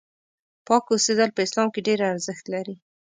پاک اوسېدل په اسلام کې ډېر ارزښت لري.